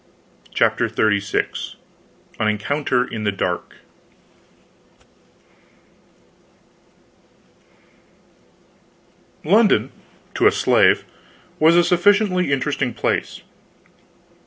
CHAPTER XXXVI AN ENCOUNTER IN THE DARK London to a slave was a sufficiently interesting place.